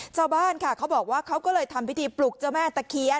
ชาวบ้านค่ะเขาบอกว่าเขาก็เลยทำพิธีปลุกเจ้าแม่ตะเคียน